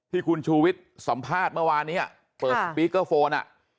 ที่คุณชูวิทย์สัมภาษณ์เมื่อวานนี้เปิดสปีกเกอร์โฟน